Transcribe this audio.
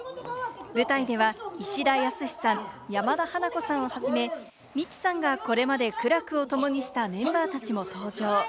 舞台では石田靖さん、山田花子さんをはじめ、未知さんがこれまで苦楽を共にしたメンバーたちも登場。